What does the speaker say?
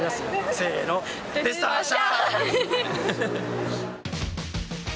せのデスターシャ！